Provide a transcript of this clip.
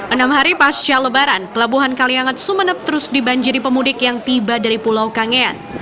enam hari pasca lebaran pelabuhan kaliangat sumeneb terus dibanjiri pemudik yang tiba dari pulau kangean